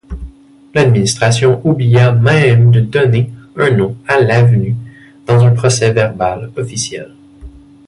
L’administration oublia même de donner un nom à l’avenue, dans un procès-verbal officiel.